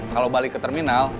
kalau balik ke terminal